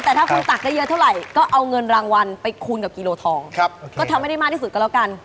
แต่ถ้าคุณตักได้เยอะเท่าไหร่ก็เอาเงินรางวัลไปคูณกับกิโลทองก็ทำให้ได้มากที่สุดก็แล้วกัน